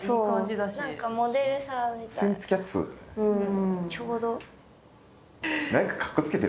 うん。